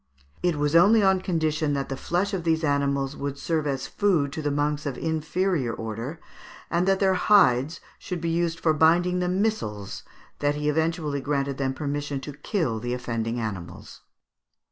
It was only on condition that the flesh of these animals would serve as food to the monks of inferior order, and that their hides should be used for binding the missals, that he eventually granted them permission to kill the offending animals (Fig.